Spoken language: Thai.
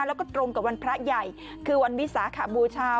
แล้วก็ตรงกับวันพระใหญ่คือวันวิสาขบูชา